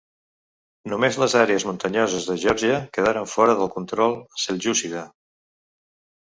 Només les àrees muntanyoses de Geòrgia quedaren fora del control seljúcida.